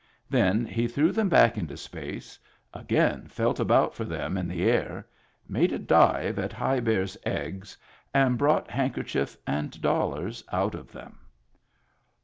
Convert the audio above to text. Then he threw them back into space, again felt about for them in the air, made a dive at High Bear's eggs, and brought handkerchief and dollars out of them.